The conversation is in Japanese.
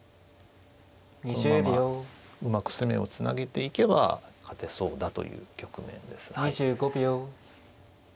このままうまく攻めをつなげていけば勝てそうだという局面です。